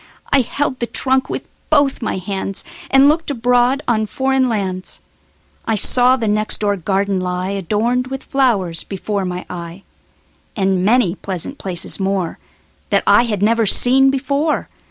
I held the trunk with both my handsAnd looked abroad on foreign lands.I saw the next door garden lie, Adorned with flowers, before my eye, And many pleasant places moreThat I had never seen before.